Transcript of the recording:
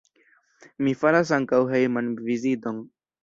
Mi faras ankaŭ hejman viziton.